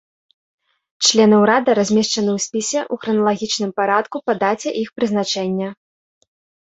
Члены ўрада размешчаны ў спісе ў храналагічным парадку па даце іх прызначэння.